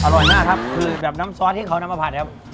อร่อยมากครับคือแบบน้ำซอสที่เขานำมาผัดครับ